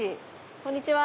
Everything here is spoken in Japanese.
こんにちは。